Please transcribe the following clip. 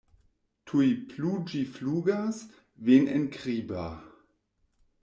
Tuj plu ĝi flugas, venenkribra.